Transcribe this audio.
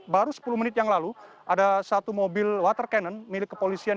baru sepuluh menit yang lalu ada satu mobil water cannon milik kepolisian